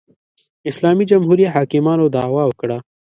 اسلامي جمهوري حاکمانو دعوا وکړه